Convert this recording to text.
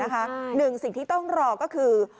หนึ่งสิ่งที่ต้องรอก็คือ